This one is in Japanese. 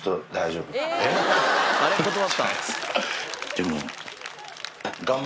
でも。